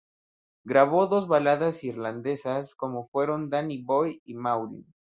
Grabó dos baladas irlandesas como fueron "Danny Boy" y "Maureen".